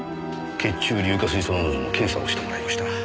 血中硫化水素濃度の検査をしてもらいました。